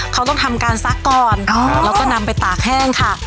เขาต้องทำการซักก่อนแล้วก็นำไปตากแห้งค่ะ